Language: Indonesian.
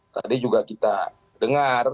tadi juga kita dengar